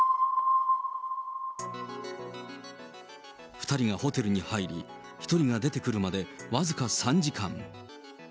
２人がホテルに入り、１人が出てくるまで僅か３時間。